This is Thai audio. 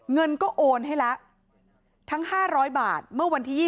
เงินก็โอนให้ละทั้ง๕๐๐บาทเมื่อวันที่๒๒